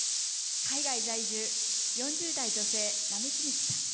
海外在住４０代・女性並木道さん。